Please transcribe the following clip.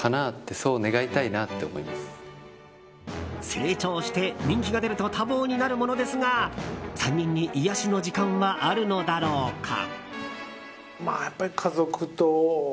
成長して人気が出ると多忙になるものですが３人に癒やしの時間はあるのだろうか？